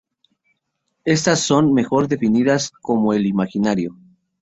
Estas están mejor definidas en el imaginario.